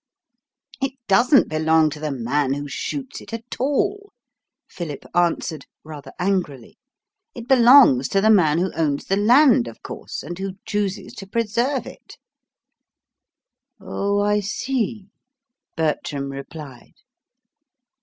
"It doesn't belong to the man who shoots it at all," Philip answered, rather angrily. "It belongs to the man who owns the land, of course, and who chooses to preserve it." "Oh, I see," Bertram replied.